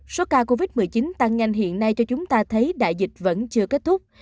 số ca covid một mươi chín tăng nhanh hiện nay cho chúng ta thấy đại dịch vẫn chưa kết thúc